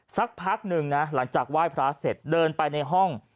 สักพักหนึ่งนะหลังจากไหว้พระเสร็จเดินไปในห้อง